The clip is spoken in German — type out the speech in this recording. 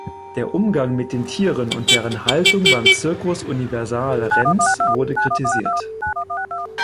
Der Umgang mit den Tieren und deren Haltung beim Circus Universal Renz wurde kritisiert.